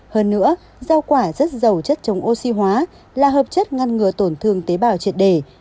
hơn nữa rau quả rất giàu chất chống oxy hóa là hợp chất ngăn ngừa tổn thương tế bào triệt đề